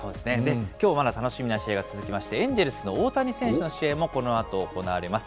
きょうまた楽しみな試合が続きまして、エンジェルスの大谷選手の試合もこのあと行われます。